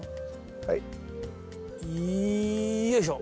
はい。よいしょ。